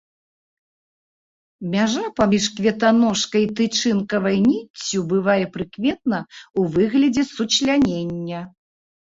Мяжа паміж кветаножкай і тычынкавай ніццю бывае прыкметна ў выглядзе сучлянення.